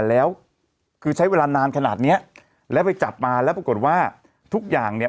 แล้วคือใช้เวลานานขนาดเนี้ยแล้วไปจับมาแล้วปรากฏว่าทุกอย่างเนี่ย